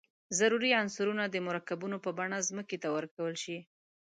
ضروري عنصرونه د مرکبونو په بڼه ځمکې ته ورکول شي.